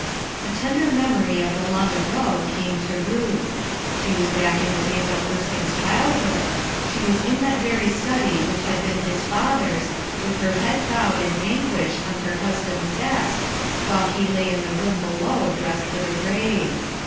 A tender memory of the long ago came to Ruth. She was back in the days of Erskine's childhood, she Was in that very study which had been his father's, with her head bowed in anguL h on her husband's desk, while he lay in the room below dressed for the grave.